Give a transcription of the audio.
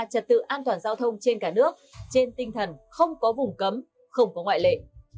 trật tự an toàn giao thông trên cả nước trên tinh thần không có vùng cấm không có ngoại lệ